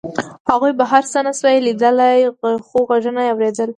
هغوی بهر څه نشوای لیدلی خو غږونه یې اورېدل